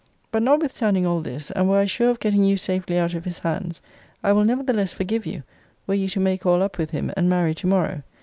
But, notwithstanding all this, and were I sure of getting you safely out of his hands, I will nevertheless forgive you, were you to make all up with him, and marry to morrow.